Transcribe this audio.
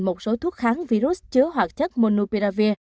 một số thuốc kháng virus chứa hoạt chất monopiravir